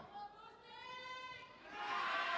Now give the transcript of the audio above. kata kuncinya adalah pendidikan